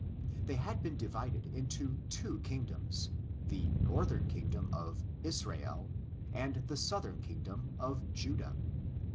they had been divided into two kingdoms—the northern kingdom of '"'Israel" and the southern kingdom of '"'Judah."